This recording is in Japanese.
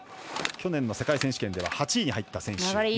去年の世界選手権では８位に入った選手。